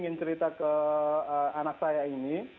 incerita ke anak saya ini